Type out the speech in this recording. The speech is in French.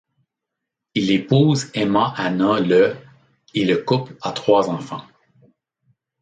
Il épouse Emma Hannah le et le couple a trois enfants.